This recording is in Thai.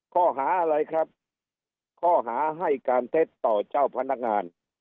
ข้อหาอะไรครับข้อหาให้การเท็จต่อเจ้าพนักงาน